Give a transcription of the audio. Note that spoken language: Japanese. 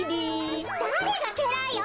だれがけらいよ！